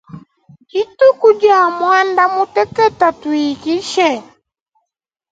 Dituku dia muandamutekete tuikishe.